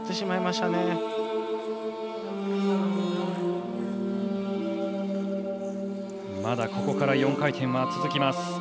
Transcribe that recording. まだここから４回転が続きます。